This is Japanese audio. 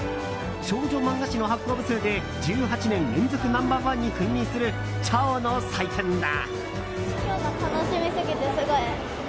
少女漫画誌の発行部数で１８年連続ナンバー１に君臨する「ちゃお」の祭典だ。